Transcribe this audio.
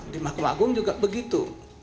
di mahkamah agung juga begitu